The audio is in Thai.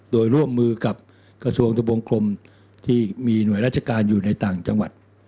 โดยร่วมมือกับกระทรวงทะบงคลมที่มีหน่วยราชการอยู่ในต่างจังหวัด